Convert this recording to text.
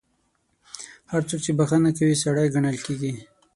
هر څوک چې بخښنه کوي، سړی ګڼل کیږي.